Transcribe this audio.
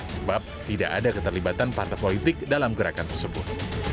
sebab tidak ada keterlibatan partai politik dalam gerakan tersebut